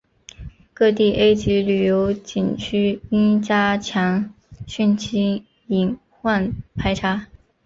各地 A 级旅游景区应加强汛期隐患排查